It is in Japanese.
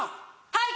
はい！